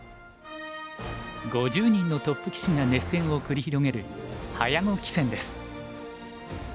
５０人のトップ棋士が熱戦を繰り広げる早碁棋戦です。